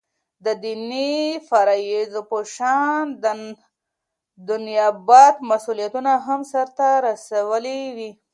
دديني فرائضو په شان دنيابت مسؤليتونه هم سرته رسوي ولي